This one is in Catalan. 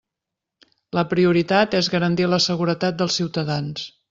La prioritat és garantir la seguretat dels ciutadans.